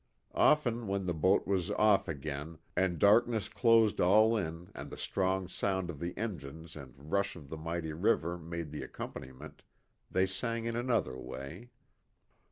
Often when the boat was off again and dark ness closed all in and the strong sound of the engines and rush of the mighty river made the accompaniment, they sang in another way.